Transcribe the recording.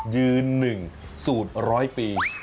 ยืนหนึ่งสูตร๑๐๐ปี